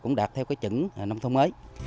cũng đạt theo cái chữ nông thông mới